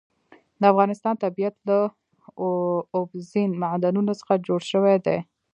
د افغانستان طبیعت له اوبزین معدنونه څخه جوړ شوی دی.